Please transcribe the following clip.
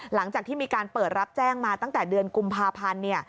หลังจากที่มีการเปิดรับแจ้งมาตั้งแต่เดือนกุมภาพันธ์